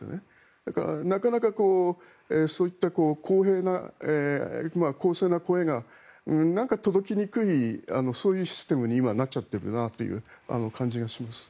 だからなかなかそういった公正な声がなんか届きにくいそういうシステムに今、なっちゃってる気がします。